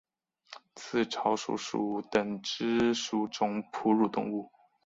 刺巢鼠属等之数种哺乳动物。